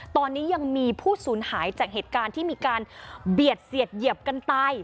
ตอนนี้ยังมีผู้สูญหายจากเหตุการณ์ที่มีการเบียดเสียดเหยียบกันตาย